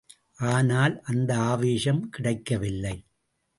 ஆனால் அந்த ஆவேசம் கிடைக்கவில்லை.